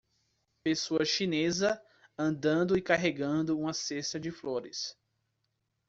Pessoa chinesa andando e carregando uma cesta de flores.